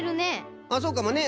あっそうかもね。